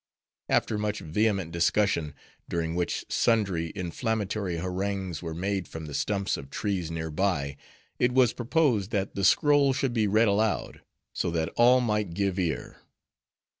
After much vehement discussion, during which sundry inflammatory harangues were made from the stumps of trees near by, it was proposed, that the scroll should be read aloud, so that all might give ear.